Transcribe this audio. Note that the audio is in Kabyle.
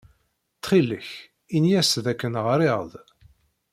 Ttxil-k, ini-as dakken ɣriɣ-d.